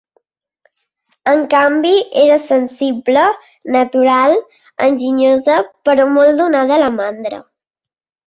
En canvi, era sensible, natural, enginyosa, però molt donada a la mandra.